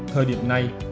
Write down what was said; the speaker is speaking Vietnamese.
thời điểm này